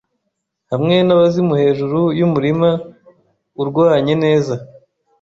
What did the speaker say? hamwe nabazimu hejuru yumurima urwanye neza